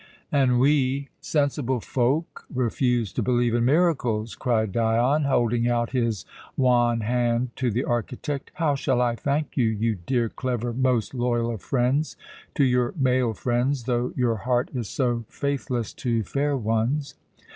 "And we, sensible folk, refuse to believe in miracles!" cried Dion, holding out his wan hand to the architect. "How shall I thank you, you dear, clever, most loyal of friends to your male friends, though your heart is so faithless to fair ones?